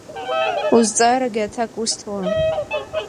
Узҵаарагьы аҭак усҭауам.